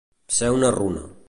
Ser una runa.